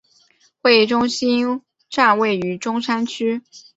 会议中心站位于中山区。